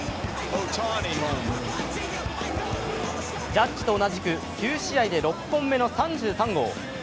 ジャッジと同じく９試合で６本目の３３号。